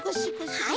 はい。